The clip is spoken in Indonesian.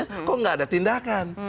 itu tidak ada tindakan